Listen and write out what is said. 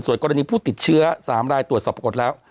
ส่วนกรณีผู้ติดเชื้อ๓รายตรวจสอบปรากฏแล้ว